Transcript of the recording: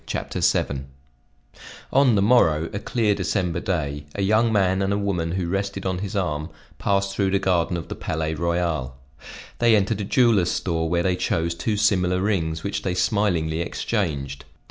CHAPTER VII ON the morrow, a clear December day, a young man and a woman who rested on his arm, passed through the garden of the Palais Royal. They entered a jeweler's store where they chose two similar rings which they smilingly exchanged.